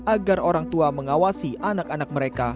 agar orang tua mengawasi anak anak mereka